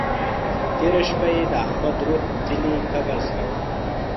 تېره شپه يې د احمد روح ځينې قبض کړه.